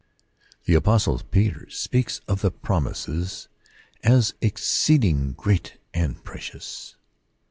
The apostle Peter speaks of the promises as ^^exceeding great and precious."